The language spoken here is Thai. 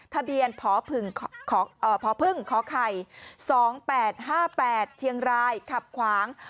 ทะเบียนพพไข่๒๘๕๘เชียงรายขับขวาง